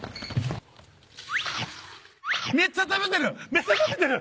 めっちゃ食べてる。